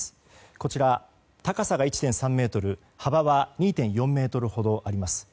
こちら、高さが１．３ｍ幅は２．４ｍほどあります。